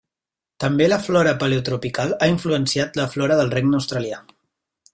També la flora paleotropical ha influenciat la flora del regne australià.